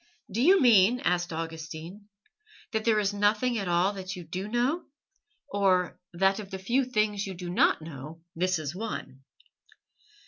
"Do you mean," asked Augustine, "that there is nothing at all that you do know, or that of the few things you do not know this is one?"